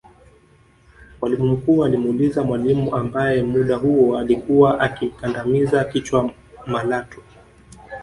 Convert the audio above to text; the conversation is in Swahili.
Mwalimu mkuu alimuuliza mwalimu ambaye muda huo alikuwa akimkandamiza kichwa Malatwe